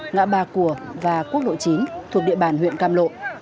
ngã bà cùa và quốc lộ chín thuộc địa bàn huyện cam lộ